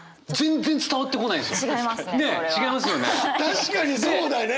確かにそうだね！